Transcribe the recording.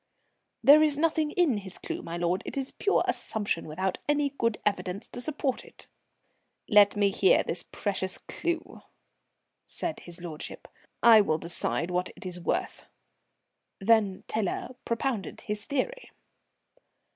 "There is nothing in his clue, my lord. It is pure assumption, without any good evidence to support it." "Let me hear this precious clue," said his lordship. "I will decide what it is worth." Then Tiler propounded his theory.